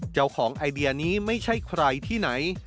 เจ้าของไอเดียนี้ไม่ใช่ใครที่ไหน